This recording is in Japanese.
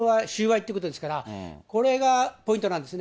これは収賄ってことですから、これがポイントなんですね。